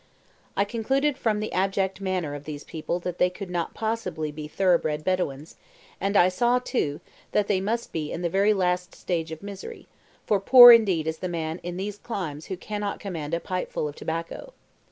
I concluded from the abject manner of these people that they could not possibly be thoroughbred Bedouins, and I saw, too, that they must be in the very last stage of misery, for poor indeed is the man in these climes who cannot command a pipeful of tobacco.